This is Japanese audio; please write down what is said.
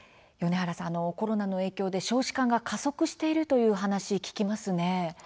コロナの影響で少子化が加速しているという話聞きますね。